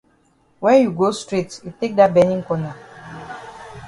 When you go straight you take dat benin corner.